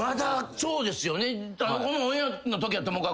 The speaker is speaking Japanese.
そうですね。